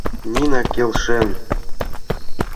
Нина келшен.